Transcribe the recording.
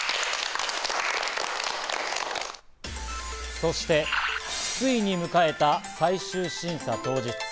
そしてついに迎えた最終審査当日。